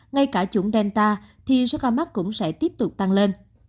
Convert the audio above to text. ngay cả chủng delta thì số ca mắc cũng sẽ tiếp tục tăng lên